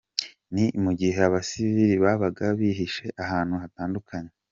Ni mu gihe abasivili babaga bihishe ahantu hatandukanye.